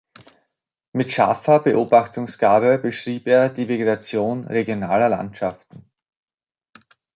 Mit scharfer Beobachtungsgabe beschrieb er die Vegetation regionaler Landschaften.